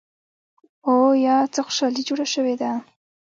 او يا څه خوشحالي جوړه شوې ده